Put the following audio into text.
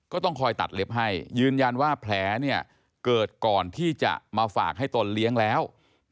ก็ต้องคอยตัดเล็บให้ยืนยันว่าแผลเกิดก่อนที่จะมาฝากให้ตนเลี้ยงแล้ว